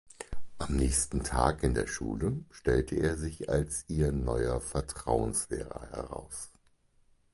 Am nächsten Tag in der Schule stellt er sich als ihr neuer Vertretungslehrer heraus.